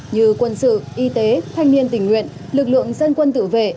như quân sự y tế thanh niên tình nguyện lực lượng dân quân tự vệ